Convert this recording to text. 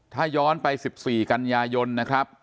ถ้าย้อนไป๑๔กันยายนนะครับ